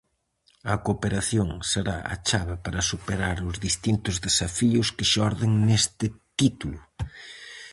A cooperación será a chave para superar os distintos desafíos que xorden neste título.